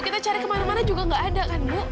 kita cari kemana mana juga nggak ada kan bu